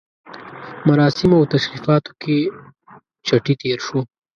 مراسمو او تشریفاتو کې چټي تېر شو.